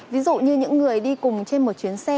ví dụ như những người đi cùng trên một chuyến xe